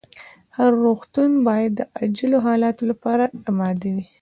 هر روغتون باید د عاجلو حالتونو لپاره اماده وي.